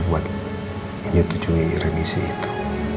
buat menyetujui remisi itu